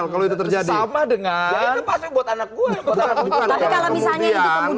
kalau mk memutuskan tidak habis ini rumor